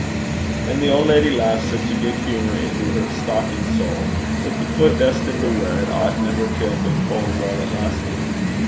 And the old lady laughed such good humour into her stocking sole, that the foot destined to wear it ought never to have been cold while it lasted.